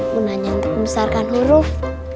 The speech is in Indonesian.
gunanya untuk membesarkan huruf